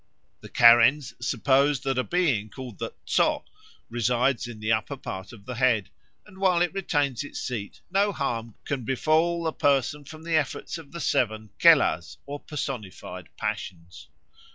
The Karens suppose that a being called the tso resides in the upper part of the head, and while it retains its seat no harm can befall the person from the efforts of the seven Kelahs, or personified passions.